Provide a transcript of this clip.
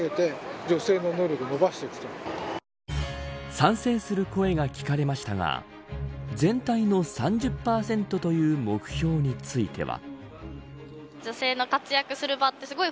賛成する声が聞かれましたが全体の３０％という目標については。